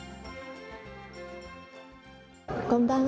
こんばんは。